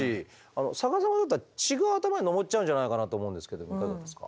逆さまだったら血が頭に上っちゃうんじゃないかなと思うんですけどもいかがですか？